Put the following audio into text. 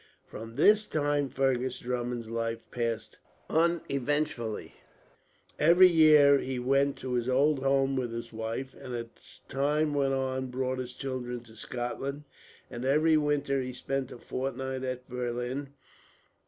From this time Fergus Drummond's life passed uneventfully. Every year he went to his old home with his wife, and as time went on brought his children to Scotland; and every winter he spent a fortnight at Berlin.